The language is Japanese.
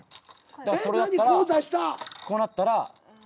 それだったらこうなったら。